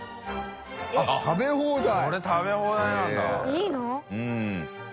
いいの？